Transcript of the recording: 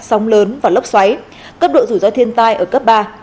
sóng lớn và lốc xoáy cấp độ rủi ro thiên tai ở cấp ba